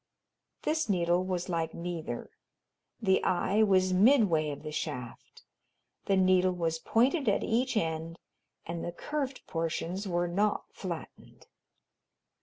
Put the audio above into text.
This needle was like neither; the eye was midway of the shaft; the needle was pointed at each end and the curved portions were not flattened.